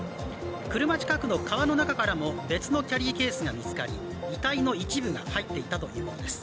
車近くの川の中からも別のキャリーケースが見つかり遺体の一部が入っていたということです。